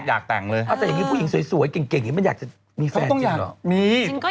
ก็อยากแต่งงานแต่ว่าเอาให้เจอคนที่ดีก่อน